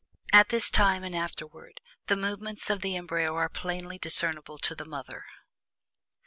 At this time, and afterward, the movements of the embryo are plainly discernable to the mother.